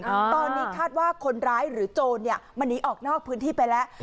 ตอนนี้คาดว่าคนร้ายหรือโจรเนี่ยมันหนีออกนอกพื้นที่ไปแล้ว